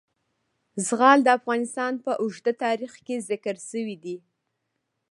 زغال د افغانستان په اوږده تاریخ کې ذکر شوی دی.